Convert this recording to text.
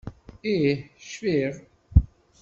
Ih, cfiɣ.